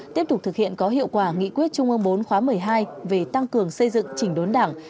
tiếp tục thực hiện có hiệu quả nghị quyết trung ương bốn khóa một mươi hai về tăng cường xây dựng chỉnh đốn đảng